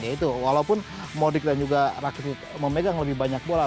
yaitu walaupun modik dan juga rakit memegang lebih banyak bola